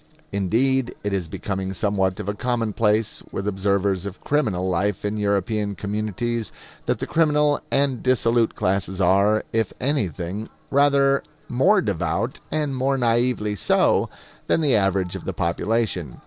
Indeed, it is becoming somewhat of a commonplace with observers of criminal life in European communities that the criminal and dissolute classes are, if anything, rather more devout, and more naively so, than the average of the population.